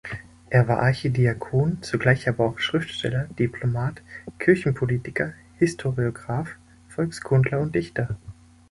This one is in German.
Er war Archidiakon, zugleich aber auch Schriftsteller, Diplomat, Kirchenpolitiker, Historiograph, Volkskundler und Dichter.